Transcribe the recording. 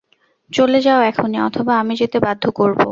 চলে যাও এখনই, অথবা আমি যেতে বাধ্য করব।